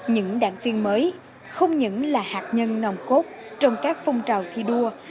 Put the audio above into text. những đảng viên mới không những là hạt nhân nòng cốt trong các phong trào thi đua